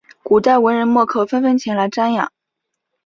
古代文人墨客纷纷前来瞻仰。